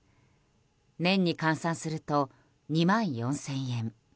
年に換算すると２万４０００円。